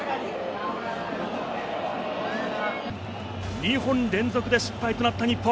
２本連続で失敗となった日本。